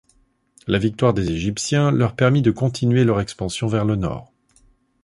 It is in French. La victoire des Égyptiens leur permit de continuer leur expansion vers le nord.